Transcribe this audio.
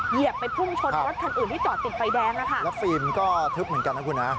เหยียบไปพุ่งชนรถคันอื่นที่จอดติดไฟแดงนะคะแล้วฟิล์มก็ทึบเหมือนกันนะคุณฮะ